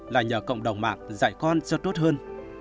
là nhờ cộng đồng mạng dạy con cho tốt hơn